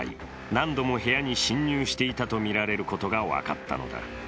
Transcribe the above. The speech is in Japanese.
何度も部屋に侵入していたとみられることが分かったのだ。